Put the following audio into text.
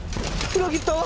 裏切った？